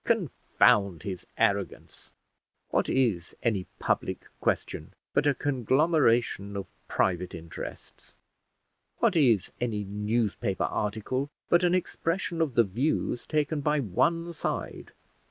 Confound his arrogance! What is any public question but a conglomeration of private interests? What is any newspaper article but an expression of the views taken by one side?